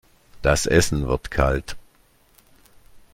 Das Essen wird kalt.